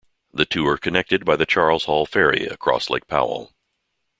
The two are connected by the Charles Hall Ferry across Lake Powell.